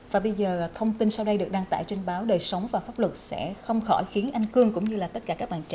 và bây giờ thông tin sau đây được đăng tải trên báo đời sống và pháp luật sẽ không khỏi khiến anh cương cũng như là tất cả các bạn trẻ